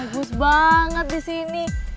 bagus banget di sini